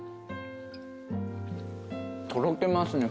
とろけますね